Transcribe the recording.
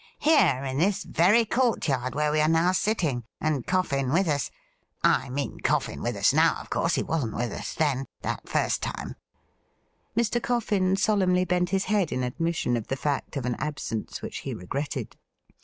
Here, in this very coiui; yard where we are now sitting, and Coffin with us — ^I mean Coffin with us now, of course ; he wasn't with us then — that first time.' Mr. Coffin solemnly bent his head in admission of the fact of an absence which he regretted.